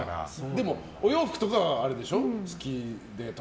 でも、お洋服とかは好きでしょ。